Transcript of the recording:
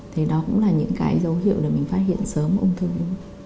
thì đó cũng là những cái dấu hiệu để mình phát hiện sớm ung thư